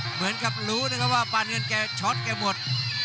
เหมือนกับรู้นะครับว่าปานเงินแกช็อตแกหมด